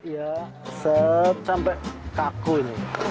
ya sampai kaku ini